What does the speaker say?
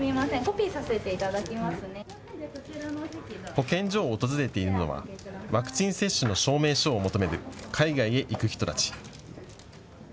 保健所を訪れているのはワクチン接種の証明書を求める海外へ行く人たち。